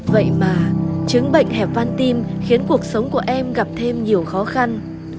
vậy mà chứng bệnh hẹp van tim khiến cuộc sống của em gặp thêm nhiều khó khăn